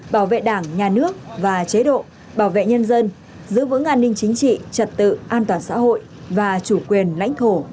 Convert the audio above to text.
bảo vệ đảng nhà nước và chế độ bảo vệ nhân dân giữ vững an ninh chính trị trật tự an toàn xã hội và chủ quyền lãnh thổ